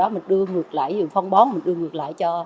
mình đưa ngược lại phong bón mình đưa ngược lại cho